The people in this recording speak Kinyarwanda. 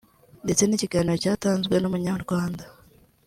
ndetse n’ikiganiro cyatanzwe n’umunywarwanda